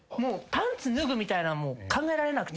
パンツ脱ぐみたいなもう考えられなくて。